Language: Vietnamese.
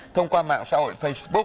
thông qua mạng